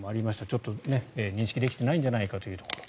ちょっと認識できていないんじゃないかというところ。